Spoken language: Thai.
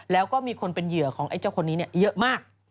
แล้วก็มีคนเป็นเหยื่อของไอ้เจ้าคนนี้เยอะมาก